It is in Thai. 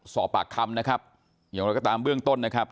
สอบปากคำนะครับอย่างไรก็ตามเบื้องต้นนะครับ